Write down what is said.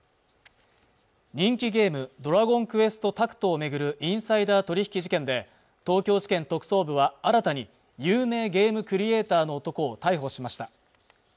人気ゲームドラゴンクエストタクトを巡るインサイダー取引事件で東京地検特捜部は新たに有名ゲームクリエイターの男を逮捕しました